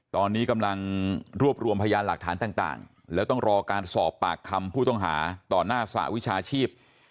ตอนนี้กำลังรวบรวมพยานหลักฐานต่างแล้วต้องรอการสอบปากคำผู้ต้องหาต่อหน้าสหวิชาชีพ